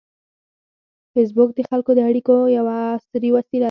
فېسبوک د خلکو د اړیکو یوه عصري وسیله ده